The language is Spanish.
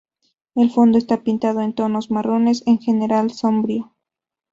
El fondo está pintado en tonos marrones, en general sombrío.